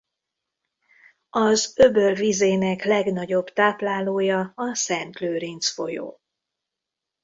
Az öböl vizének legnagyobb táplálója a Szent Lőrinc-folyó.